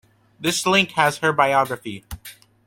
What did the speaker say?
This link has her biography.